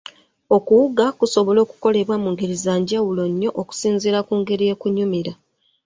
Okuwuga kusobola okukolebwa mu ngeri za njawulo nnyo okusinziira ku ngeri ekunyumira.